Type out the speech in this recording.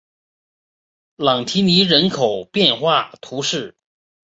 朗提尼人口变化图示